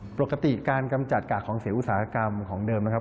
ปกติการกำจัดกากของเสียอุตสาหกรรมของเดิมนะครับ